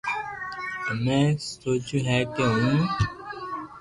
ھمو ۾ سوچئو ھي ڪي ھون